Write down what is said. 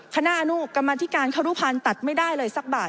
คณะอนุกรรมธิการครุพันธ์ตัดไม่ได้เลยสักบาท